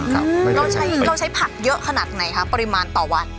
เราใช้ผักเยอะขนาดไหนคะปริมาณต่อวัน